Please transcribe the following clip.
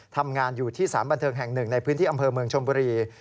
ทำงานอยู่ที่สารบันเทิงแห่งหนึ่งในพื้นที่อำเภอเมืองชมบุรี